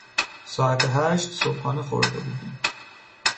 ساعت هشت صبحانه خورده بودیم.